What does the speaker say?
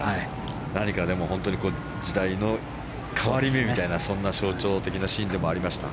何か本当に時代の変わり目みたいなそんな象徴的なシーンでもありました。